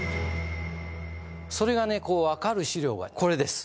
それがね分かる史料がこれです。